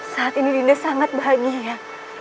saat ini dinda sangat bahagia